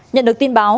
nhận được tin báo